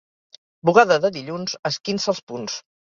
Bugada de dilluns, esquinça els punts.